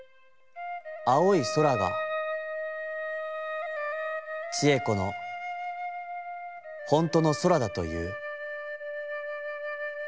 青い空が智恵子のほんとの空だといふ。